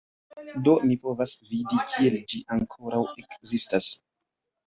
Do, mi povas vidi kiel ĝi ankoraŭ ekzistas